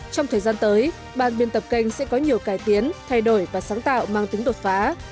trong thời gian tới ban biên tập kênh sẽ có nhiều cải tiến thay đổi và sáng tạo mang tính đột phá